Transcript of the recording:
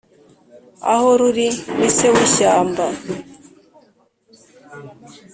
Aho ruri ni se w’ishyamba